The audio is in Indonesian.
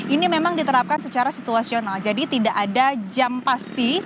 ini memang diterapkan secara situasional jadi tidak ada jam pasti